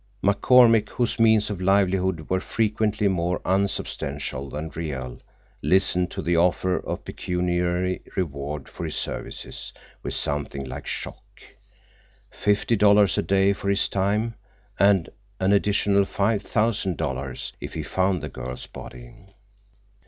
McCormick, whose means of livelihood were frequently more unsubstantial than real, listened to the offer of pecuniary reward for his services with something like shock. Fifty dollars a day for his time, and an additional five thousand dollars if he found the girl's body.